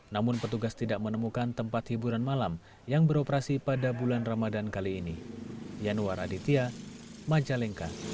namun petugas tidak menemukan tempat hiburan malam yang beroperasi pada bulan ramadan kali ini